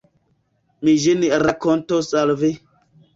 Mi ĝin rakontos al vi.